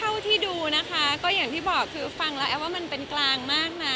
อ๋อเท่าที่ดูนะคะก็อย่างพี่บอกคือฟังละอ้าวว่ามันเปลี่ยนกลางมากนะ